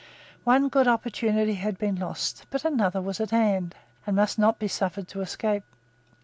One good opportunity had been lost; but another was at hand, and must not be suffered to escape.